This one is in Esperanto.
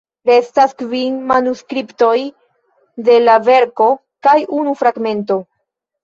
Restas kvin manuskriptoj de la verko, kaj unu fragmento.